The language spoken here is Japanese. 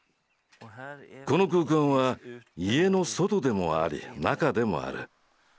この空間は家の外でもあり中でもある。